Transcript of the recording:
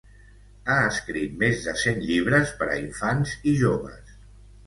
Ha escrit més de cent llibres per a infants i joves.